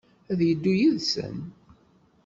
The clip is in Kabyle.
Ad d-yeddu yid-sen?